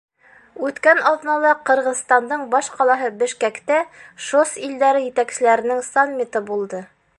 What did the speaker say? Үткән аҙнала Ҡырғыҙстандың баш ҡалаһы Бешкәктә ШОС илдәре етәкселәренең саммиты булды.